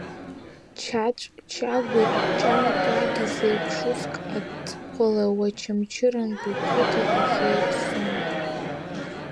Чаҵә Чагәи Ҷан Кәагәи зеиԥш уск аҵыхәала Уачамчырантәи қыҭак ахь еиццон.